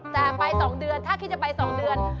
แต่ไปสองเดือนถ้าคิดจะไปสองเดือน